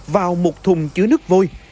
vào một thùng chứa nước vôi